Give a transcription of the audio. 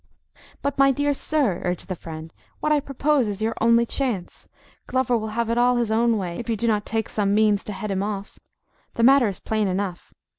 "But, my dear sir," urged the friend, "what I propose is your only chance. Glover will have it all his own way, if you do not take some means to head him off. The matter is plain enough.